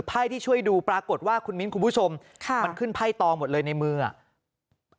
ไพ่ที่ช่วยดูปรากฏว่าคุณมิ้นคุณผู้ชมค่ะมันขึ้นไพ่ตองหมดเลยในมืออ่ะ